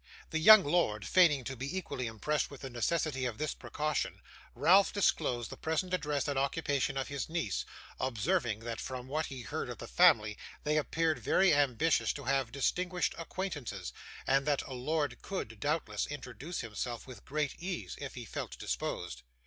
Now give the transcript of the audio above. The young lord, feigning to be equally impressed with the necessity of this precaution, Ralph disclosed the present address and occupation of his niece, observing that from what he heard of the family they appeared very ambitious to have distinguished acquaintances, and that a lord could, doubtless, introduce himself with great ease, if he felt disposed.